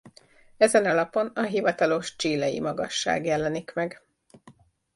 Ezen a lapon a hivatalos chilei magasság jelenik meg.